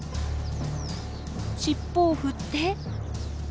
尻尾を振って。